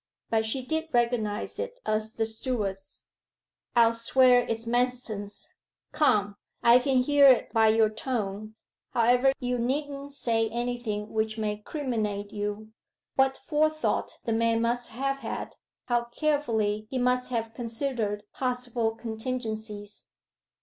But she did recognize it as the steward's. 'I'll swear it's Manston's! Come, I can hear it by your tone. However, you needn't say anything which may criminate you. What forethought the man must have had how carefully he must have considered possible contingencies!